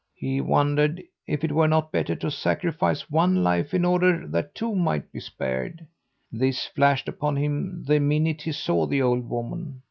He wondered if it were not better to sacrifice one life in order that two might be spared this flashed upon him the minute he saw the old woman.